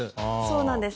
そうなんです。